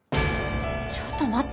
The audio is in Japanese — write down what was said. ちょっと待って。